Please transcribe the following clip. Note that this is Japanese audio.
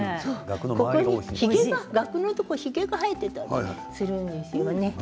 ガクのところにひげが生えていたりするんですよね。